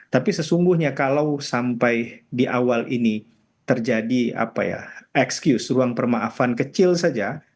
tapi sesungguhnya kalau sampai di awal ini terjadi excuse ruang permaafan kecil saja